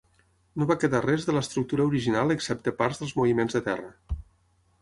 No va quedar res de l'estructura original excepte parts dels moviments de terra.